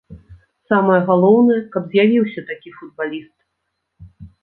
Самае галоўнае, каб з'явіўся такі футбаліст.